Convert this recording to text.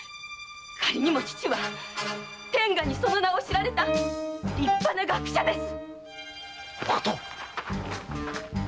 仮にも父は天下にその名を知られた立派な学者です！